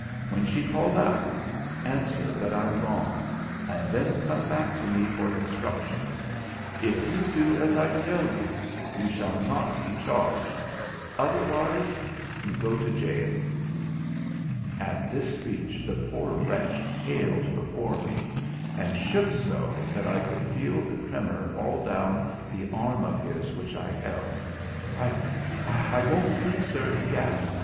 When she calls out, answer that I'm gone, and then come back to me for instructions. If you do as I tell you, you shall not be charged—otherwise, you go to jail.' At this speech the poor wretch paled before me, and shook so that I could feel the tremor all down the arm of his which I held. 'I—I won't speak, sir,' he gasped.